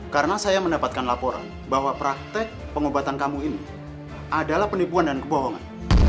karena saya mendapatkan laporan bahwa praktek pengobatan kamu ini adalah penipuan dan kebohongan